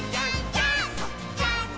ジャンプ！！」